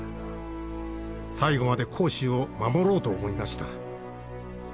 「最後まで光州を守ろう」と思いました。